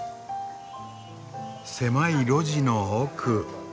狭い路地の奥。